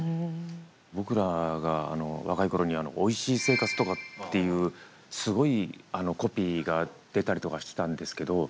僕らが若いころに「おいしい生活」とかっていうすごいコピーが出たりとかしてたんですけど。